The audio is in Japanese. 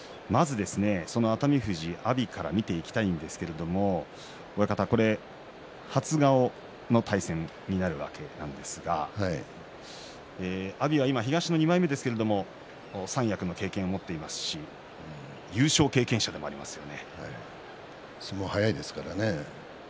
まず熱海富士、阿炎から見ていきたいんですけれども親方、初顔の対戦になるわけなんですが阿炎は今東の２枚目ですけれども三役の経験も持っていますし相撲が速いですからね。